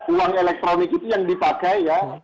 uang elektronik itu yang dipakai ya